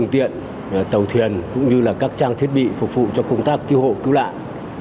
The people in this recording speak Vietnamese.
tiện tàu thuyền cũng như các trang thiết bị phục vụ cho công tác cứu hộ cứu nạn